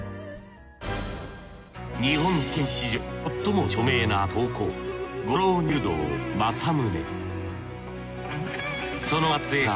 日本刀剣史上最も著名な刀工五郎入道正宗